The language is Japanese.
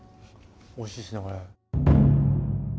おいしいですねこれ。